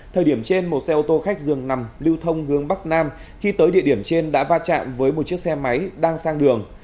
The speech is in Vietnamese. thời điểm trên một xe ô tô khách dường nằm lưu thông hướng bắc nam khi tới địa điểm trên đã va chạm với một chiếc xe máy đang sang đường